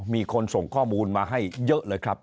มีคนส่งข้อมูลมาให้เยอะเลยครับ